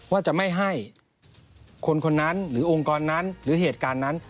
ว่าจะไม่ให้คนคนนั้นหรือองค์กรนั้นหรือเหตุการณ์นั้น